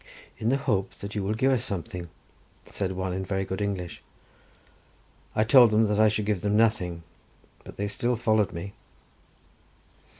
"In the hope that you will give us something," said one in very good English. I told them that I should give them nothing, but they still followed me.